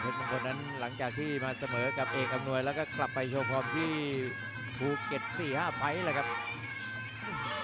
เพชรมงค์บนนั้นหลังจากที่มาเสมอกับเอกอำนวยแล้วก็กลับไปโชคพร้อมที่ภูเก็ต๔๕ไพท์แหละครับ